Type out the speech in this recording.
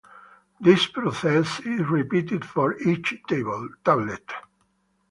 This process is repeated for each tablet.